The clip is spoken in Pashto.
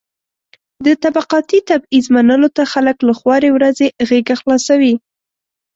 د طبقاتي تبعيض منلو ته خلک له خوارې ورځې غېږه خلاصوي.